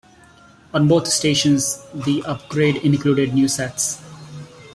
On both stations, the upgrade included new sets.